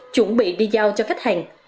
chuẩn bị đi giao cho khách hàng